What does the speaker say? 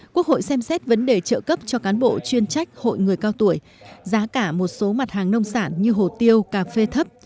quốc hội xem xét vấn đề trợ cấp cho cán bộ chuyên trách hội người cao tuổi giá cả một số mặt hàng nông sản như hồ tiêu cà phê thấp